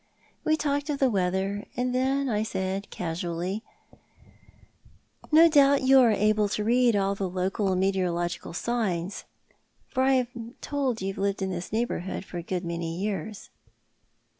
We talked of the weather, and then I said, casually —" No doubt you are able to read all the local meteorological signs, for I am told you have lived in this neighbourliood for a good many years."